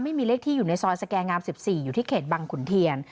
ไม่มีเลขที่อยู่ในซอยสแกงาม๑๔อยู่ที่เขตบังขุนเทียน